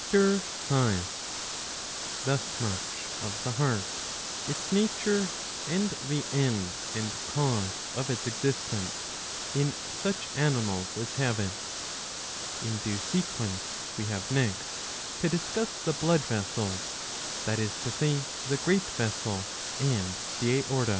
J Thus much of the heart, its nature, and the end and cause of its existence in such animals as have it. In due sequence we have next to discuss the blood vessels, that is to say the great vessel and the aorta.